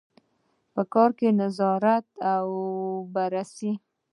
په کار کې نظارت او بررسي.